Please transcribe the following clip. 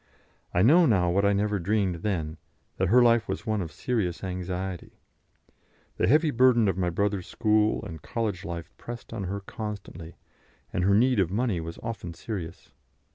I know now what I never dreamed then, that her life was one of serious anxiety. The heavy burden of my brother's school and college life pressed on her constantly, and her need of money was often serious.